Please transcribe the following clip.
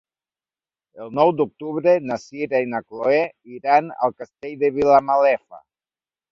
El nou d'octubre na Sira i na Chloé iran al Castell de Vilamalefa.